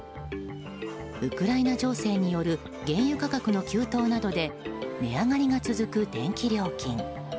ウクライナ情勢による原油価格の急騰などで値上がりが続く電気料金。